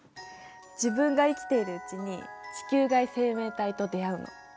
自分が生きているうちに地球外生命体と出会うの。